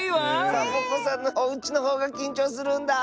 「サボ子さんのおうち」のほうがきんちょうするんだ。